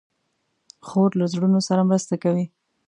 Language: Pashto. خور له زړونو سره مرسته کوي.